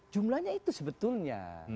jumlahnya itu sebetulnya